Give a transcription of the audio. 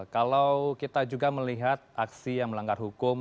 kalau kita juga melihat aksi yang melanggar hukum